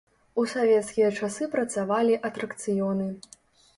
У савецкія часы працавалі атракцыёны.